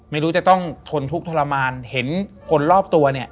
ไม่รู้จะต้องทนทุกข์ทรมานเห็นคนรอบตัวเนี่ย